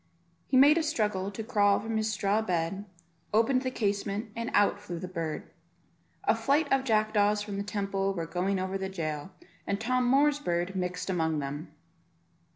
He made a struggle to crawl from his straw bed, opened the casement, and out flew the bird. A flight of jackdaws from the Temple were going over the jail, and Tom Moor's bird mixed among them.